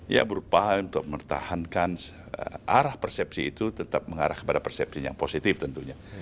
ya berupaya untuk mempertahankan arah persepsi itu tetap mengarah kepada persepsi yang positif tentunya